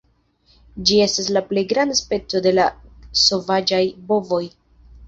Ĝi estas la plej granda speco de la sovaĝaj bovoj.